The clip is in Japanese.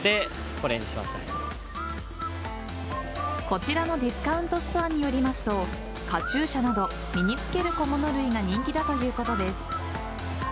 こちらのディスカウントストアによりますとカチューシャなど身に着ける小物類が人気だということです。